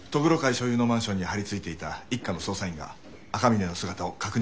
所有のマンションに張り付いていた一課の捜査員が赤峰の姿を確認したとのことです。